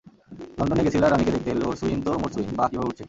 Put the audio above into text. London গেছিলা রানী কে দেখতে, লরছুইন তো মরছুইন, বাহ, কিভাবে উড়ছে।